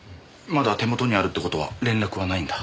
まだ手元にあるって事は連絡はないんだ？